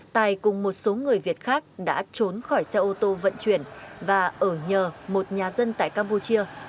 tài cùng một số người việt khác đã trốn khỏi xe ô tô vận chuyển và ở nhờ một nhà dân tại campuchia